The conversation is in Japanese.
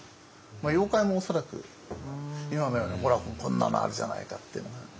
妖怪も恐らく今のようなほらこんなのあるじゃないかってのが。